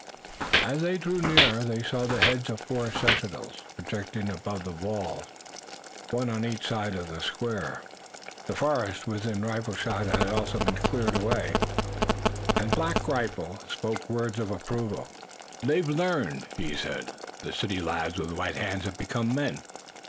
As they drew near they saw the heads of four sentinels projecting above the walls, one on each side of the square. The forest within rifle shot had also been cleared away, and Black Rifle spoke words of approval. "They've learned," he said. "The city lads with the white hands have become men."